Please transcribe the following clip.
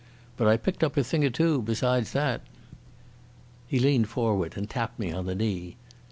But I picked up a thing or two besides that." He leaned forward and tapped me on the knee.